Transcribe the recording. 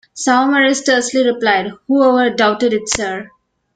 Saumarez tersely replied Whoever doubted it, sir?